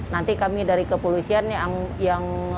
nanti kami dari kepolisian yang